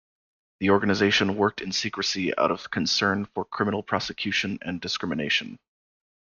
The organization worked in secrecy out of concern for criminal prosecution and discrimination.